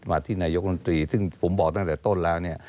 ที่นายกรมตรีซึ่งผมบอกตั้งแต่ต้นแล้วเนี่ย